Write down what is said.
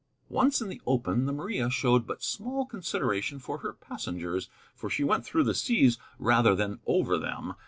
Once in the open, the Maria showed but small consideration for her passengers, for she went through the seas rather than over them.